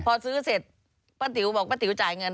พอซื้อเสร็จป้าติ๋วบอกป้าติ๋วจ่ายเงิน